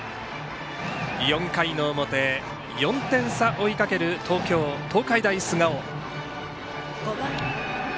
４回の表、４点差、追いかける東京・東海大菅生。